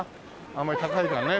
あんまり高いからね。